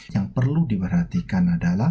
yang perlu diperhatikan adalah